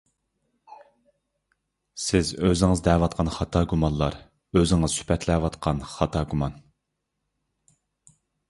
سىز ئۆزىڭىز دەۋاتقان خاتا گۇمانلار ئۆزىڭىز سۈپەتلەۋاتقاندەك خاتا گۇمان.